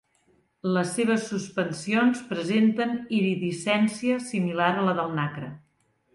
Les seves suspensions presenten iridescència similar a la del nacre.